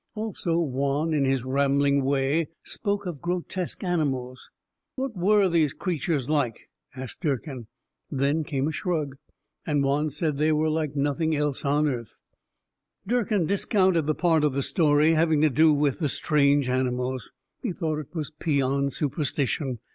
Also, Juan, in his rambling way, spoke of grotesque animals. What were these creatures like? asked Durkin. Then came a shrug, and Juan said they were like nothing else on earth. Durkin discounted the part of the story having to do with the strange animals. He thought it was peon superstition.